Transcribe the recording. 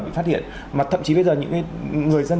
bị phát hiện mà thậm chí bây giờ những người dân